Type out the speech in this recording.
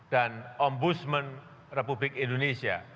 dan ombudsman republik indonesia